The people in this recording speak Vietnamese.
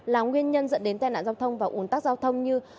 là nguyên nhân dẫn đến tai nạn giao thông và ủn tắc giao thông như